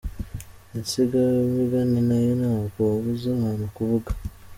Insigamigani nayo ntabwo wabuza abantu kuvuga.